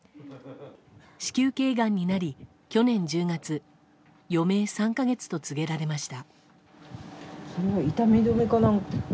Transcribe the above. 子宮頸がんになり、去年１０月余命３か月と告げられました。